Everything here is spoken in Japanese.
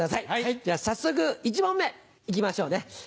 じゃあ、早速１問目いきましょうね。